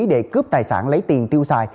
để cướp tài sản lấy tiền tiêu xài